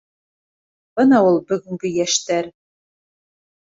Бына ул бөгөнгө йәштәр!